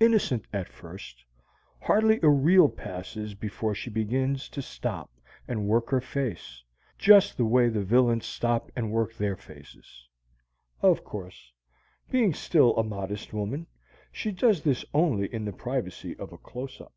Innocent at first, hardly a reel passes before she begins to stop and work her face, just the way the villains stop and work their faces. (Of course, being still a modest woman, she does this only in the privacy of a close up.)